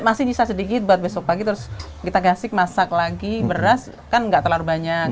masih bisa sedikit buat besok pagi terus kita gasik masak lagi beras kan nggak terlalu banyak